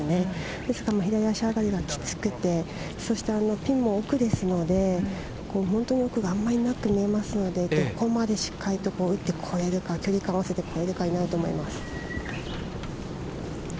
ですが左足上がりがきつくてそしてピンも奥ですので本当に奥があまりなく見えますのでどこまでしっかり打ってこれるか距離感合わせてこれるかになると思います。